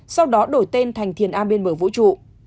sau đó đổi tên thành thiền an biên bởi vũ trụ